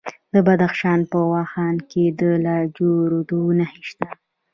د بدخشان په واخان کې د لاجوردو نښې شته.